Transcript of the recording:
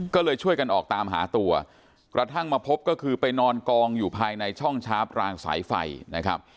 ก็เลยช่วยกันออกตามหาตัวกระทั่งมาพบก็คือไปนอนกองอยู่ภายในช่องชาร์ปรางสายไฟนะครับ